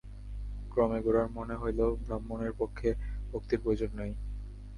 ক্রমে গোরার মনে হইল, ব্রাহ্মণের পক্ষে ভক্তির প্রয়োজন নাই।